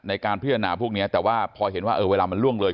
ในการพิจารณาพวกนี้แต่ว่าพอเห็นว่าเวลามันล่วงเลย